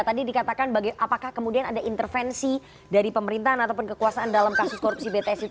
tadi dikatakan apakah kemudian ada intervensi dari pemerintahan ataupun kekuasaan dalam kasus korupsi bts itu